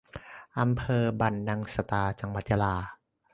อำเภอบันนังสตา จังหวัดยะลา